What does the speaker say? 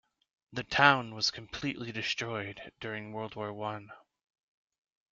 The town was completely destroyed during World War One.